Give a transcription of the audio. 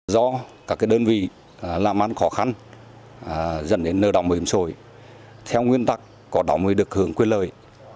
do các đơn vị làm ăn khó khăn dẫn đến nợ đồng bảo hiểm xã hội theo nguyên tắc có đồng mới được hưởng quyết lời